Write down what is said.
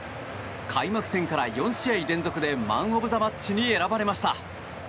開幕戦から４試合連続でマン・オブ・ザ・マッチに選ばれました。